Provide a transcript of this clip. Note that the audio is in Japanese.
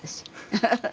アハハハ。